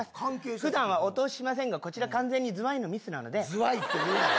ふだんはお通ししませんが、こちら、完全にズワイのミスなのズワイって言うな。